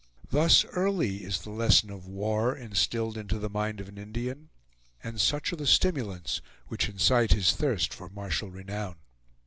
Thus early is the lesson of war instilled into the mind of an Indian, and such are the stimulants which incite his thirst for martial renown.